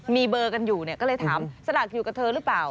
มีเบอร์กันอยู่เนี่ยก็เลยถามสลากอยู่กับเธอหรือเปล่า